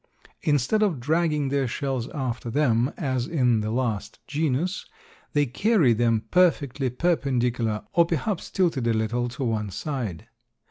Instead of dragging their shells after them, as in the last genus, they carry them perfectly perpendicular, or perhaps tilted a little to one side.